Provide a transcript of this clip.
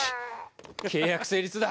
契約成立だ。